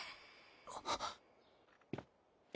あっ。